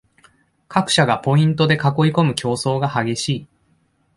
各社がポイントで囲いこむ競争が激しい